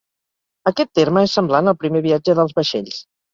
Aquest terme és semblant al primer viatge dels vaixells.